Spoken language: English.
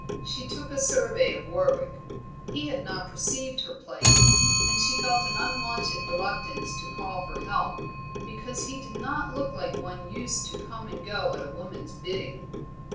She took a survey of Warwick; he had not perceived her plight, and she felt an unwonted reluctance to call for help, because he did not look like one used to come and go at a woman's bidding.